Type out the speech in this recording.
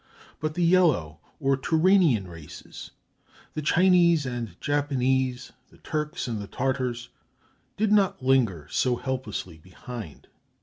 But the yellow or Turanian races, the Chinese and Japanese, the Turks and the Tartars, did not linger so helplessly behind.